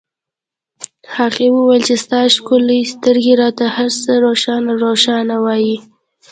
هغې وویل چې ستا ښکلې سترګې راته هرڅه روښانه روښانه وایي